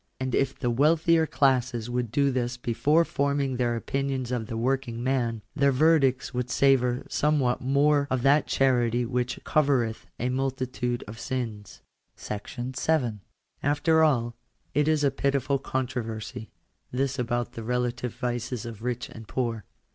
.^ And if the weal thier classes would do this before forming their opinions of the working mi^ffielFyerdicts wouIoTsavour some what more of that charity which covereth a multitude of sins. §7. After all ' it is a pitiful controversy, this about the rela tive vices of rich and poor.